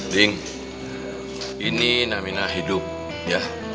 ding ini namina hidup ya